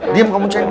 diam kamu ceng